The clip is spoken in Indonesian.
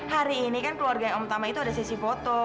hari ini kan keluarga yang utama itu ada sesi foto